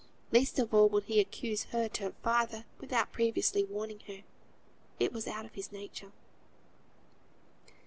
Least of all would he accuse her to her father, without previously warning her; it was out of his nature).